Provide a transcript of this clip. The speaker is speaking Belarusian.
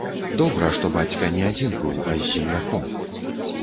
Добра, што бацька не адзін быў, а з земляком.